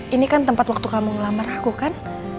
ini kan tempat waktu kamu ngelamar aku kan